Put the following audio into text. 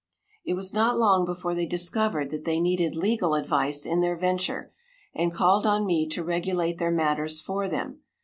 It was not long before they discovered that they needed legal advice in their venture, and called on me to regulate their matters for them.